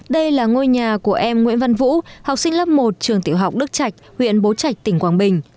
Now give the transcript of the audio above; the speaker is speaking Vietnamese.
đây là ngôi nhà của em nguyễn văn vũ học sinh lớp một trường tiểu học đức trạch huyện bố trạch tỉnh quảng bình